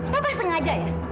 papa sengaja ya